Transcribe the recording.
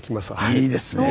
いいですね